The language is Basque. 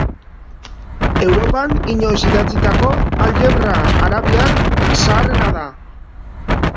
Europan inoiz idatzitako aljebra arabiar zaharrena da.